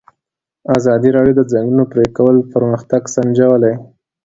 ازادي راډیو د د ځنګلونو پرېکول پرمختګ سنجولی.